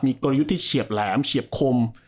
มีกลยุทธ์ที่เฉียบแหลมเฉียบคม